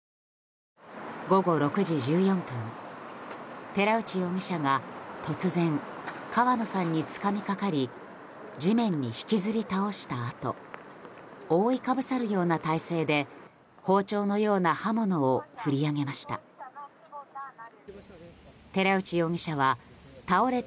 午後６時１４分寺内容疑者が突然川野さんにつかみかかり地面に引きずり倒したあと覆いかぶさるような体勢で包丁のような刃物を振り上げました。